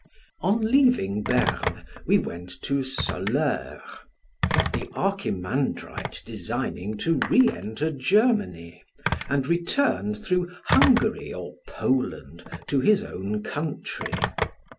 On leaving Berne, we went to Soleurre: the Archimandrite designing to re enter Germany, and return through Hungary or Poland to his own country.